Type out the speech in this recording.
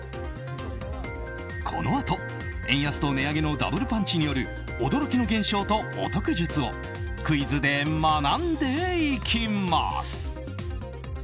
このあと円安と値上げのダブルパンチによる驚きの現象とお得術をクイズで学んでいきます。